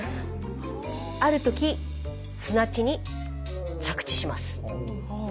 ある時砂地に着地します。